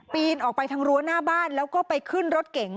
ออกไปทางรั้วหน้าบ้านแล้วก็ไปขึ้นรถเก๋ง